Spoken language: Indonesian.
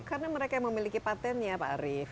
karena mereka memiliki patent ya pak arief